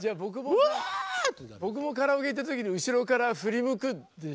僕もカラオケ行った時に後ろから振り向くって。